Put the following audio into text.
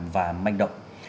và manh động